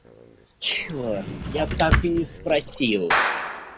Черт, я так и не спросил.